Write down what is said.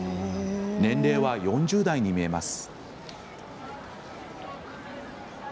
年齢は４０代に見えます。